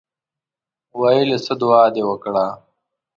ویل یې څه دعا دې وکړه.